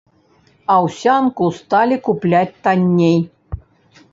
Аўсянку сталі купляць танней.